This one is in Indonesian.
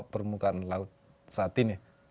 permukaan laut saat ini